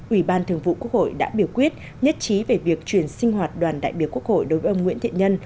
ủy ban thường vụ quốc hội đã biểu quyết nhất trí về việc chuyển sinh hoạt đoàn đại biểu quốc hội đối với ông nguyễn thiện nhân